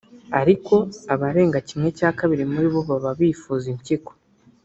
Ariko abarenga kimwe cya kabiri muri bo baba bivuza impyiko